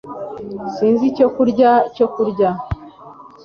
Sinzi icyo kurya cyo kurya